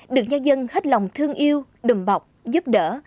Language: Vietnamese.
được nhân dân hết lòng thương yêu đùm bọc giúp đỡ